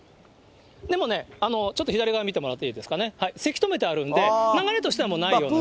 でもね、ちょっと左側見てもらっていいですかね、せき止めてあるんで、流れとしてはもうないような。